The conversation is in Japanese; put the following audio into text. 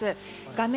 画面